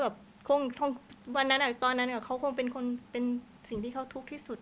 วันนั้นตอนนั้นเขาคงเป็นคนเป็นสิ่งที่เขาทุกข์ที่สุด